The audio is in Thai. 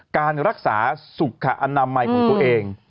การรักษาสุขอนามัยของตัวเอง